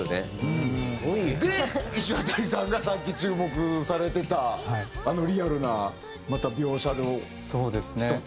でいしわたりさんがさっき注目されてたあのリアルなまた描写の一つ。